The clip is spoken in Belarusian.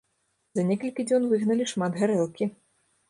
За некалькі дзён выгналі шмат гарэлкі.